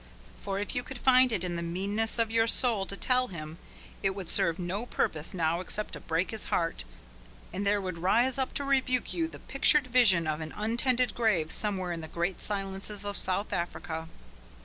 For if you could find it in the meanness of your soul to tell him, it would serve no purpose now except to break his heart, and there would rise up to rebuke you the pictured vision of an untended grave somewhere in the great silences of South Africa.